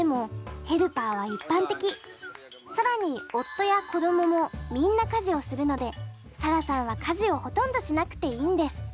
更に夫や子供もみんな家事をするのでサラさんは家事をほとんどしなくていいんです。